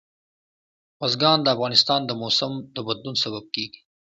بزګان د افغانستان د موسم د بدلون سبب کېږي.